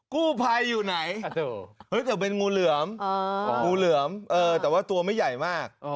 กู้ไพอยู่ไหนเฮ้ยแต่เป็นงูเหลือมเอองูเหลือมเออแต่ว่าตัวไม่ใหญ่มาก